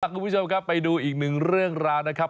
คุณผู้ชมครับไปดูอีกหนึ่งเรื่องราวนะครับ